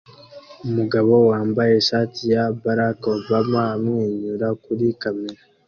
Umugabo wambaye ishati ya Barack Obama amwenyura kuri kamera